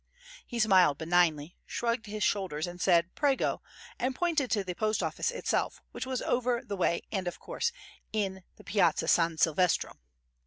He smiled benignly, shrugged his shoulders, said "Prego" and pointed to the post office itself, which was over the way and, of course, in the Piazza S. Silvestro.